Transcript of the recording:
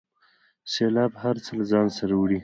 سیلاب هر څه له ځانه سره وړي.